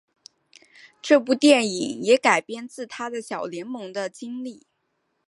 这部电影也改编自他在小联盟的经历。